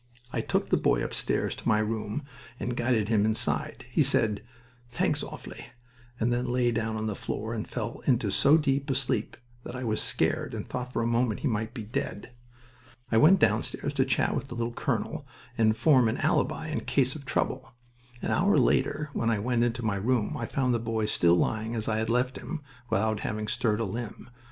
I took the boy upstairs to my room and guided him inside. He said, "Thanks awfully," and then lay down on the floor and fell into so deep a sleep that I was scared and thought for a moment he might be dead. I went downstairs to chat with the little colonel and form an alibi in case of trouble. An hour later, when I went into my room, I found the boy still lying as I had left him, without having stirred a limb.